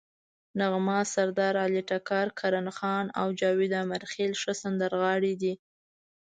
نغمه، سردارعلي ټکر، کرن خان او جاوید امیرخیل ښه سندرغاړي دي.